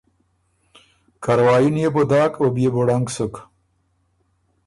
کاروايي ن يې بو داک او بيې بو ړنګ سُک۔